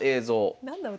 何だろう